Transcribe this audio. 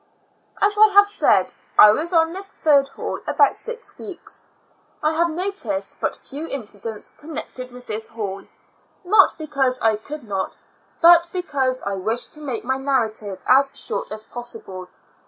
As I have said, I was on this third hall about six weeks. I have noticed but few incidents connected with this hall, not because I could not, but because I wish to make my narrative as short as possible.